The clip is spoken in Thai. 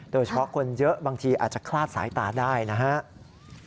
โดยเฉพาะคนเยอะบางทีอาจจะคลาดสายตาได้นะครับ